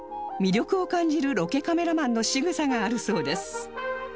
魅力を感じるロケカメラマンの仕草があるそうです